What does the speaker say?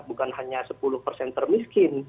bukan hanya sepuluh termiskin